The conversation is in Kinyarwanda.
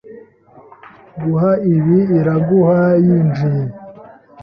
Guha ibi Iraguha yinjiye.